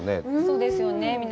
そうですよね。